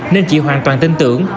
nên chị hoàn toàn tin tưởng